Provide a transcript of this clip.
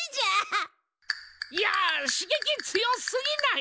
いやしげき強すぎない？